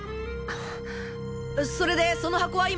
それでその箱は今！？